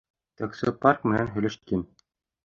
Таксопарк менән һөйләштем.